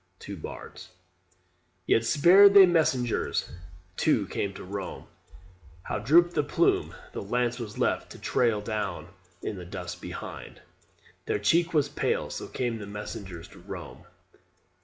TWO BARDS. Yet spared they messengers: two came to Rome. How drooped the plume! the lance was left to trail Down in the dust behind: their cheek was pale: So came the messengers to Rome.